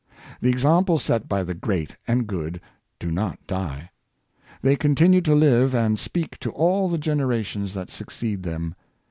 The example set by the great and good do not die; they continue to live and speak to all the generations that succeed them.